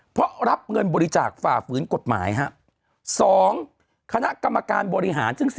เพราะรับเงินบริจาคฝ่าฝืนกฎหมาย๒คณะกรรมการบริหารซึ่ง